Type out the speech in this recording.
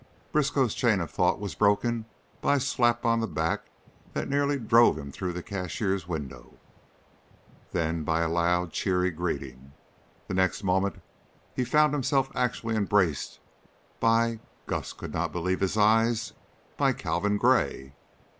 Briskow's chain of thought was broken by a slap on the back that nearly drove him through the cashier's window; then by a loud, cheery greeting. The next moment he found himself actually embraced by Gus could not believe his eyes by Calvin Gray!